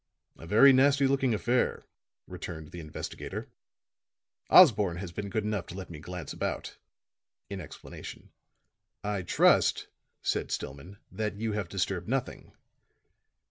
"A very nasty looking affair," returned the investigator. "Osborne has been good enough to let me glance about," in explanation. "I trust," said Stillman, "that you have disturbed nothing."